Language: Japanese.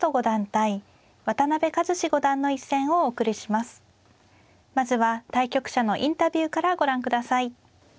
まずは対局者のインタビューからご覧ください。